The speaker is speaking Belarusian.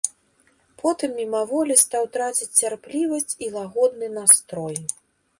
Потым мімаволі стаў траціць цярплівасць і лагодны настрой.